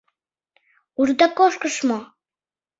— Ушда кошкыш мо?